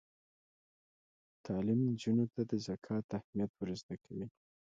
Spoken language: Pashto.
تعلیم نجونو ته د زکات اهمیت ور زده کوي.